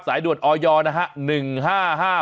สายด่วนอยนะฮะ๑๕๕๖